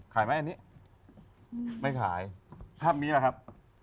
ขายไหมอันนี้ไม่ขายถ้ามีอะไรครับ